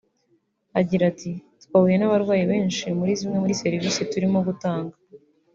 Agira ati “Twahuye n’abarwayi benshi muri zimwe muri serivisi turimo gutanga